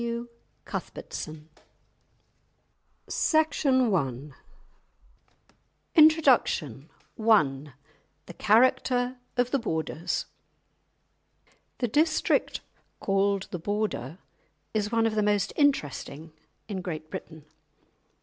_ W. CUTHBERTSON. *Stories of The Scottish Border* *Introduction* *I.—THE CHARACTER OF THE BORDERS* The district called the Border is one of the most interesting in Great Britain.